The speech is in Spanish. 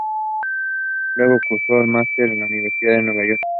Luego, cursó un master en la Universidad de Nueva York.